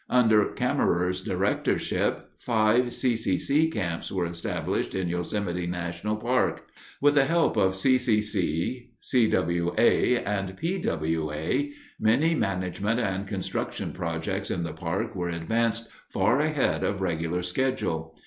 Under Cammerer's directorship, five C.C.C. camps were established in Yosemite National Park. With the help of C.C.C., C.W.A., and P.W.A., many management and construction projects in the park were advanced far ahead of regular schedule.